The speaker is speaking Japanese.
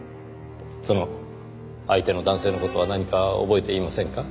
その相手の男性の事は何か覚えていませんか？